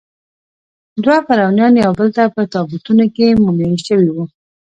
دوه فرعونیان یوبل ته په تابوتونو کې مومیایي شوي وو.